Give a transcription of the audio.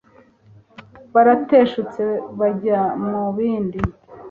barateshutse bajya mu bindi